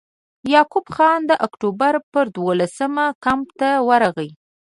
یعقوب خان د اکټوبر پر دولسمه کمپ ته ورغی.